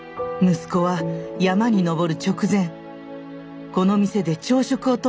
息子は山に登る直前この店で朝食をとっていたのです。